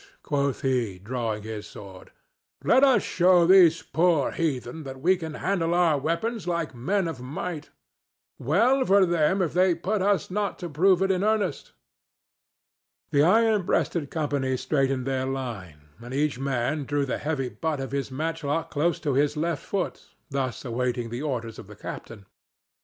quoth he, drawing his sword. "Let us show these poor heathen that we can handle our weapons like men of might. Well for them if they put us not to prove it in earnest!" The iron breasted company straightened their line, and each man drew the heavy butt of his matchlock close to his left foot, thus awaiting the orders of the captain.